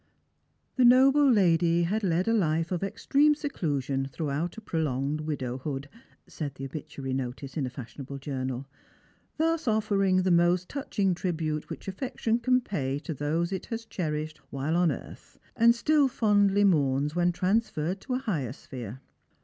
" The noble lady had led a life of extreme seclusion through out a prolonged widowhood," said the obituary notice in a fashionable journal ;" thus offering the most touching tribute which affection can pay to those it has cherished while on earth, and still fondly mourns when transferred to a higher sphere.